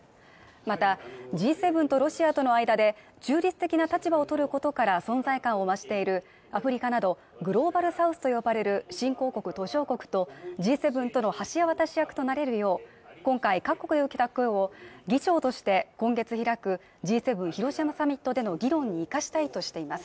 また、Ｇ７とロシアとの間で中立的な立場を取ることから存在感を増しているアフリカなどグローバルサウスと呼ばれる新興国・途上国とＧ７との橋渡し役となれるよう、今回各国で受けた声を議長として今月開くＧ７広島サミットでの議論に生かしたいとしています。